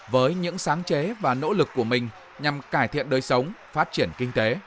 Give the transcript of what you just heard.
với những sáng chế và nỗ lực của mình nhằm cải thiện đời sống phát triển kinh tế